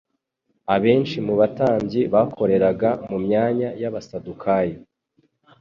Abenshi mu batambyi bakoreraga mu myanya y'abasadukayo,